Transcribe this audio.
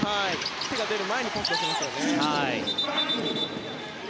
手が出る前にパスを出しました。